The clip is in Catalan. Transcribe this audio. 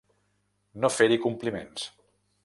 No fer-hi compliments.